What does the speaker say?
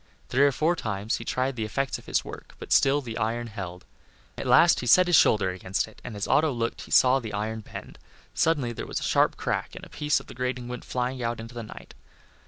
Three or four times he tried the effects of his work, but still the iron held. At last he set his shoulder against it, and as Otto looked he saw the iron bend. Suddenly there was a sharp crack, and a piece of the grating went flying out into the night.